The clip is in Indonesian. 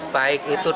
baik itu dan